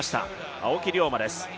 青木涼真です